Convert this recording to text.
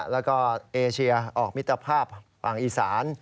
แล้วก็เอเชียออกมิตรภาพฝั่งอีสาน